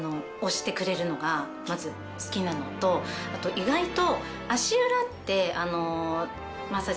あと意外と。